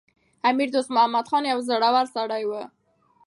امیر دوست محمد خان یو زړور سړی و.